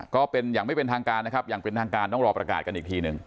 ก็เป็นอย่างไม่เป็นทางการนะครับอย่างเป็นทางการต้องรอประกาศกันอีกทีหนึ่ง